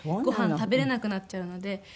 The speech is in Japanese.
ご飯食べられなくなっちゃうので。